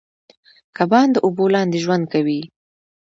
کبان د اوبو لاندې ژوند کوي